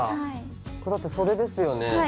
これだって袖ですよね。